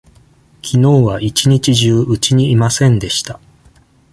きのうは一日中うちにいませんでした。